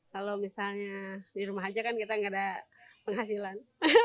kalau misalnya di rumah aja kan kita nggak ada penghasilan